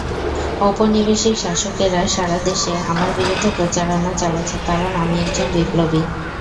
ঔপনিবেশিক শাসকেরা সারা দেশে আমার বিরুদ্ধে প্রচারণা চালাচ্ছে, কারণ আমি একজন বিপ্লবী।